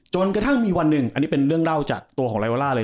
จนกระทั่งมีวันหนึ่งอันนี้เป็นเรื่องเล่าจากตัวของไวล่าเลย